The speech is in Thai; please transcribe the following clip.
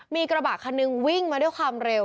มีกระบะคันนึงวิ่งมาด้วยความเร็ว